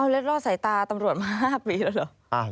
แล้วรอดสายตาตำรวจมา๕ปีแล้วเหรอ